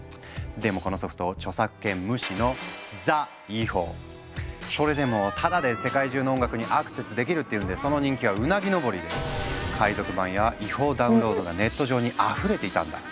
でもこのソフト著作権無視のそれでもタダで世界中の音楽にアクセスできるっていうんでその人気はうなぎ登りで海賊版や違法ダウンロードがネット上にあふれていたんだ。